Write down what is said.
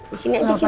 disini aja disini